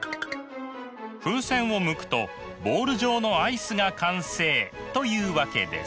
風船をむくとボール状のアイスが完成というわけです。